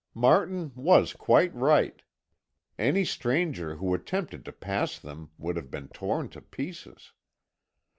Martin was quite right. Any stranger who attempted to pass them would have been torn to pieces.